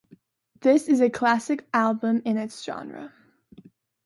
This is a classic album in its genre.